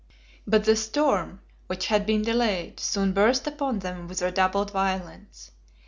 ] But the storm, which had been delayed, soon burst upon them with redoubled violence.